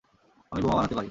আমি বোমা বানাতে পারি।